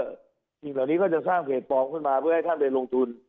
สิ่งเหล่านี้ก็จะสร้างเพจปลอมขึ้นมาเพื่อให้ท่านไปลงทุน